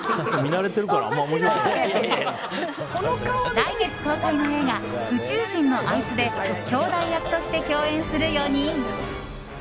来月公開の映画「宇宙人のあいつ」できょうだい役として共演する４人。